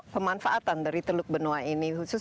pemanfaatan dari teluk benoa ini khusus